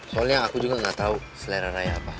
soalnya aku juga gak tau selera raya apa